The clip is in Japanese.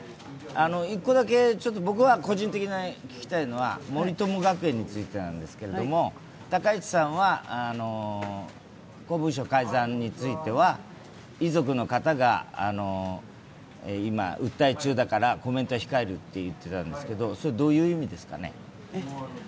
１個だけ、僕が個人的に聞きたいのは森友学園についてなんですけど高市さんは、公文書改ざんについては遺族の方が今、訴え中だからコメントは控えると言っていたんですけどどういう意味ですかね？